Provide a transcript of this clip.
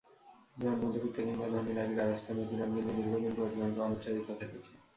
যেমন, মধ্যবিত্ত কিংবা ধনী নারীর গার্হস্থ্য নিপীড়ন কিন্তু দীর্ঘদিন পর্যন্ত অনুচ্চারিত থেকেছে।